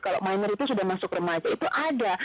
kalau minor itu sudah masuk remaja itu ada